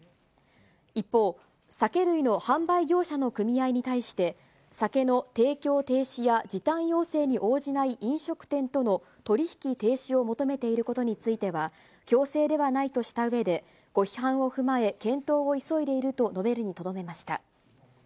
一方、酒類の販売業者の組合に対して、酒の提供停止や、時短要請に応じない飲食店との取り引き停止を求めていることについては、強制ではないとしたうえで、ご批判を踏まえ、検討を急いでいると述べるにとどめました。